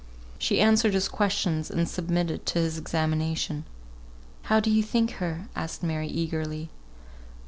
She answered his questions, and submitted to his examination. "How do you think her?" asked Mary, eagerly.